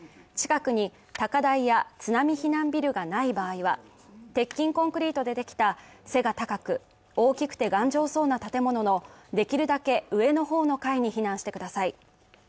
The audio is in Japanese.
近くに高台や津波避難ビルがない場合は、鉄筋コンクリートでできた背が高く、大きくて頑丈そうな建物のできるだけ上の方の階に避難してください。